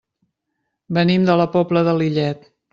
Venim de la Pobla de Lillet.